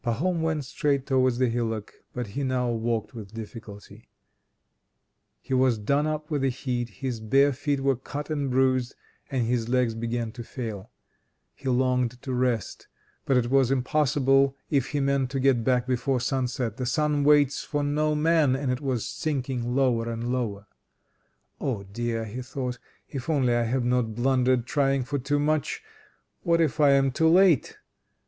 IX Pahom went straight towards the hillock, but he now walked with difficulty. He was done up with the heat, his bare feet were cut and bruised, and his legs began to fail. He longed to rest, but it was impossible if he meant to get back before sunset. The sun waits for no man, and it was sinking lower and lower. "Oh dear," he thought, "if only I have not blundered trying for too much! What if I am too late?"